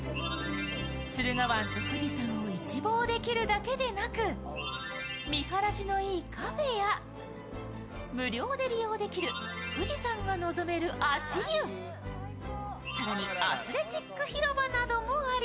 駿河湾と富士山を一望できるだけでなく、見晴らしのいいカフェや無料で利用できる富士山が望める足湯更にアスレチックス広場などもあり、